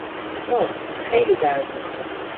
اوه، خیلی درد میکنه!